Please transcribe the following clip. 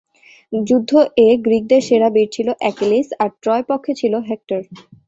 যুদ্ধ এ গ্রীকদের সেরা বীর ছিল অ্যাকিলিস আর ট্রয় পক্ষে ছিল হেক্টর।